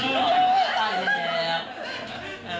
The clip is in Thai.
ตายแล้วแม่